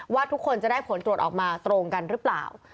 ว่าทุกคนจะได้ผลตรวจออกมาตรงกันหรือเปล่า